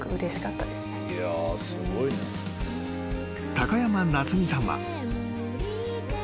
［高山夏実さんは］